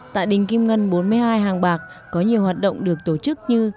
tại đình kim ngân bốn mươi hai hàng bạc có nhiều hoạt động được tổ chức như